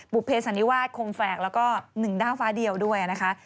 เภสันนิวาสคงแฝกแล้วก็๑ด้าวฟ้าเดียวด้วยนะคะ